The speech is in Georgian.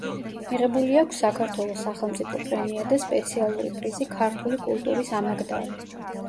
მიღებული აქვს საქართველოს სახელმწიფო პრემია და სპეციალური პრიზი „ქართული კულტურის ამაგდარი“.